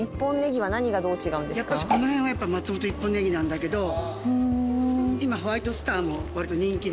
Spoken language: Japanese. やっぱしこの辺は松本一本ねぎなんだけど今ホワイトスターもわりと人気で。